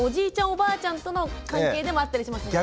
おばあちゃんとの関係でもあったりしますもんね。